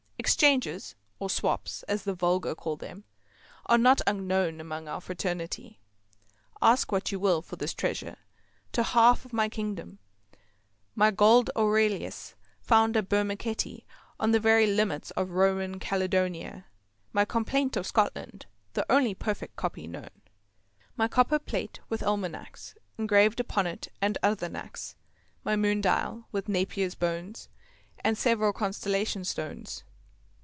Exchanges—or "swaps," as the vulgar call them—are not unknown among our fraternity. Ask what you will for this treasure, to the half of my kingdom: my gold Aurelius (found at Bermuckety, on the very limits of Roman Caledonia), my "Complaynte of Scotland" (the only perfect copy known), My copperplate, with almanacks Engrav'd upon't, and other knacks; My moon dial, with Napier's bones And several constellation stones.